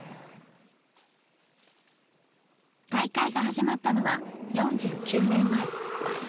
大会が始まったのは４９年前。